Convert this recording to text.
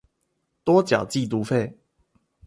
多繳寄讀費